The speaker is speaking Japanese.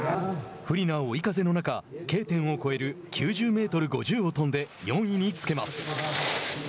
不利な追い風の中Ｋ点を越える９０メートル５０を飛んで４位につけます。